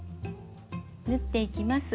縫っていきます。